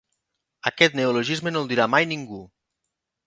Aquest neologisme no el dirà mai ningú.